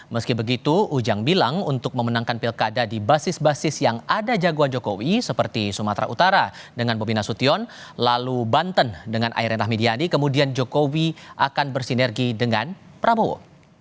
meski begitu ujang bilang untuk memenangkan pilkada di basis basis yang ada jagoan jokowi seperti sumatera utara dengan bobi nasution lalu banten dengan airin rahmidiani kemudian jokowi akan bersinergi dengan prabowo